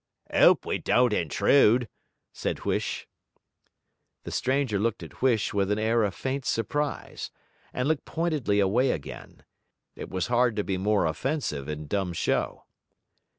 ''Ope we don't intrude!' said Huish. The stranger looked at Huish with an air of faint surprise, and looked pointedly away again. It was hard to be more offensive in dumb show.